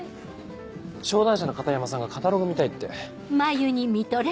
祥談社の片山さんがカタログ見たいって。